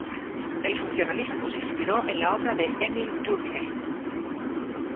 El funcionalismo se inspiró en la obra de Émile Durkheim.